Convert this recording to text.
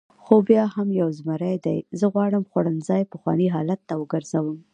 خو بیا هم یو زمري دی، زه غواړم خوړنځای پخواني حالت ته وګرځوم.